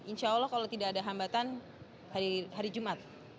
insya allah kalau tidak ada hambatan hari jumat